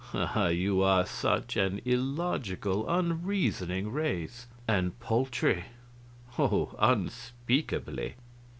Ah, you are such an illogical, unreasoning race! And paltry oh, unspeakably!"